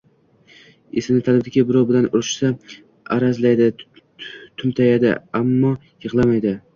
Esini tanibdiki, birov bilan urishsa, arazlaydi, tumtayadi, ammo yigʼlamaydi!